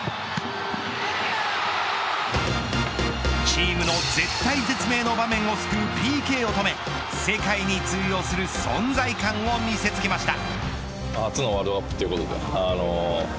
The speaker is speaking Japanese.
チームの絶体絶命の場面を救うＰＫを止め世界に通用する存在感を見せつけました。